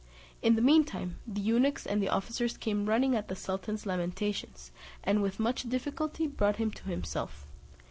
In the mean time, the eunuchs and officers came running at the sultan's lamentations, and with much difficulty brought him to himself.